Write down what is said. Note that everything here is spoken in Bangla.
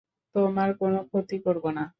তোমার কোনো ক্ষতি করব না।